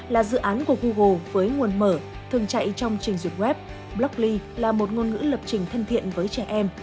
là dự án của google với nguồn mở thường chạy trong trình duyệt web blockly là một ngôn ngữ lập trình thân thiện với trẻ em